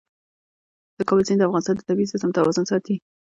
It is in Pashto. د کابل سیند د افغانستان د طبعي سیسټم توازن ساتي.